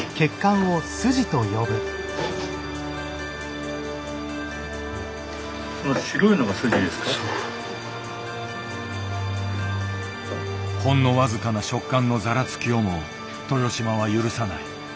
ほんの僅かな食感のざらつきをも豊島は許さない。